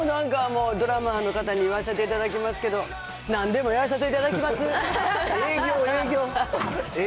私もなんか、ドラマの方に言わせていただきますけど、なんでもやらさせていた営業、営業。